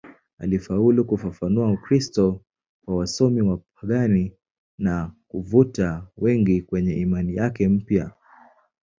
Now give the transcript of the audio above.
Alifaulu kufafanua Ukristo kwa wasomi wapagani na kuvuta wengi kwenye imani yake mpya.